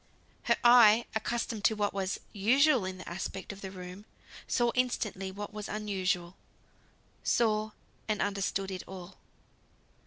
Her eye, accustomed to what was usual in the aspect of the room, saw instantly what was unusual, saw, and understood it all.